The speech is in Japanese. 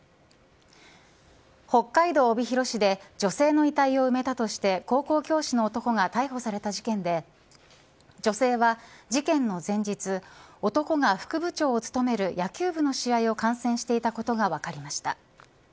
北海道帯広市で女性の遺体を埋めたとして高校教師の男が逮捕された事件で女性は事件の前日男が副部長を務める野球部の試合を観戦していたことが分かりました。